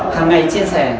hàng ngày chia sẻ